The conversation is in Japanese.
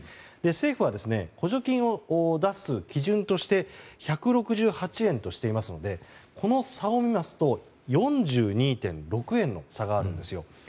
政府は補助金を出す基準として１６８円としていますのでこの差を見ますと４２．６円の差があるんですよ。